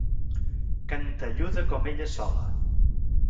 Cantelluda com ella sola.